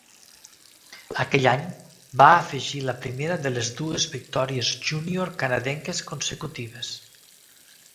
Aquell any, va afegir la primera de les dues victòries junior canadenques consecutives.